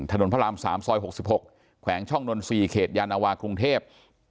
ถนนพระรามสามซอยหกสิบหกแขวงช่องดนตร์สี่เขตยานาวาครุงเทพฯ